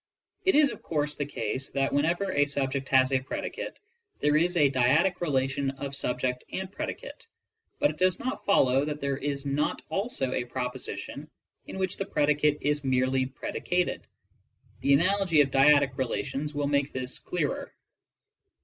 It is of course the case that, whenever a subject has a predicate, there is a dyadic relation of subject and predicate, but it does not follow that there is not also a proposition in which the predicate is merely predi cated. The analogy of dyadic relations will make this clearer.